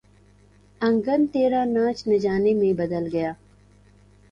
انگن ٹیڑھا ناچ نہ جانے میں بدل گیا